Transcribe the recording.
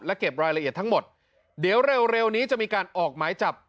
เก็บรายละเอียดทั้งหมดเดี๋ยวเร็วเร็วนี้จะมีการออกหมายจับ